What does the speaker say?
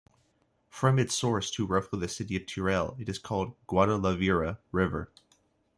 From its source to roughly the city of Teruel, it is called "Guadalaviar" river.